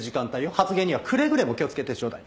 発言にはくれぐれも気をつけてちょうだい。